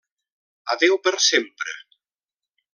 Adéu per sempre.